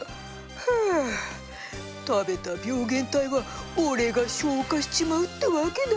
ふ食べた病原体は俺が消化しちまうってわけだ。